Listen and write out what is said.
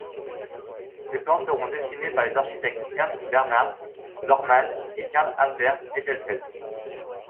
Ces plans seront dessinés par les architectes Ernst Bernhard Lohrmann et Carl Albert Edelfelt.